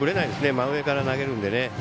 真上から投げるので。